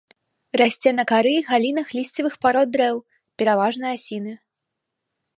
Расце на кары і галінах лісцевых парод дрэў, пераважна асіны.